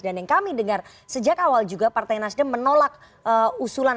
dan yang kami dengar sejak awal juga partai nasdem menolak usulan